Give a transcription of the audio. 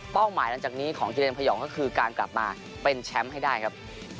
หมายหลังจากนี้ของกิเลนพยองก็คือการกลับมาเป็นแชมป์ให้ได้ครับ